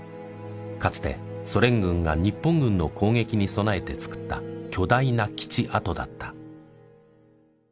かつてソ連軍が日本軍の攻撃に備えて造った巨大な基地跡だった。